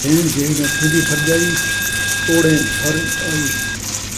بھیݨ جہیں ناں تھیندی بھرڄائی، توڑیں گھر آئی